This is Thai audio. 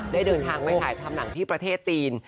เดินทางไปถ่ายทำหนังที่ประเทศจีน